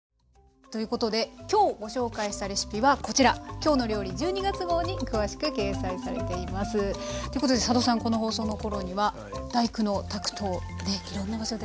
ということで今日ご紹介したレシピはこちら「きょうの料理」１２月号に詳しく掲載されています。ということで佐渡さんこの放送の頃には「第九」のタクトをいろんな場所で。